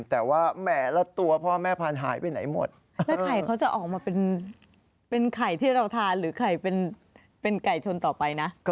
แต่ว่าแหมละตัวพ่อแม่พันธุ์หายไปไหนหมด